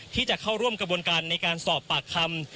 ที่จะเข้าร่วมกระบวนการในการสอบปากคำ